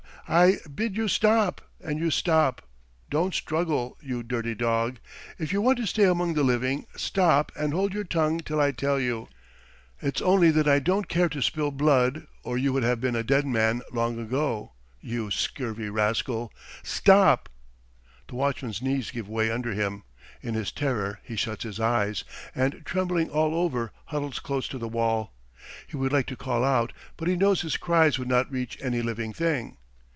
I bid you stop and you stop. Don't struggle, you dirty dog! If you want to stay among the living, stop and hold your tongue till I tell you. It's only that I don't care to spill blood or you would have been a dead man long ago, you scurvy rascal. ... Stop!" The watchman's knees give way under him. In his terror he shuts his eyes, and trembling all over huddles close to the wall. He would like to call out, but he knows his cries would not reach any living thing.